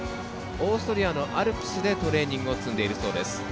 オーストリアのアルプスでトレーニングを積んでいるそうです。